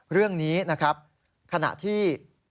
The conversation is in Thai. เรื่องนี้นะครับขณะที่